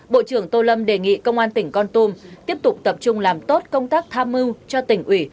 bộ trưởng tô lâm đề nghị công an tỉnh con tum tiếp tục tập trung làm tốt công tác tham mưu cho tỉnh ủy